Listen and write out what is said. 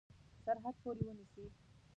سرحد پوري ونیسي.